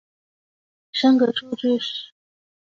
栅格数据由存放唯一值存储单元的行和列组成。